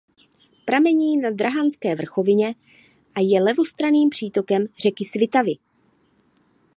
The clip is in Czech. Pramení na Drahanské vrchovině a je levostranným přítokem řeky Svitavy.